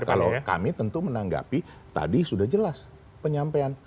kalau kami tentu menanggapi tadi sudah jelas penyampaian